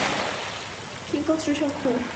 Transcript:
Knight Construction Co.